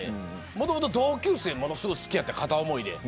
もともと同級生ですごい好きやった、片思いで。